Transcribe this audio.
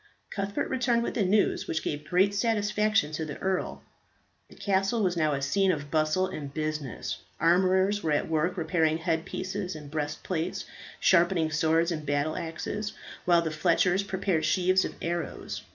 Cuthbert returned with the news, which gave great satisfaction to the earl. The castle was now a scene of bustle and business; armourers were at work repairing head pieces and breastplates, sharpening swords and battle axes, while the fletchers prepared sheaves of arrows.